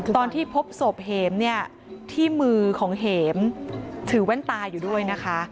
ตอนที่พบศพเห็มเนี่ยที่มือของเห็มถือแว่นตาอยู่ด้วยนะคะ